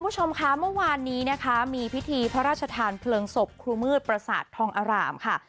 คุณผู้ชมคะเมื่อวานนี้นะคะมีพิธีพระราชทานเพลิงศพครูมืดประสาททองอร่ามค่ะ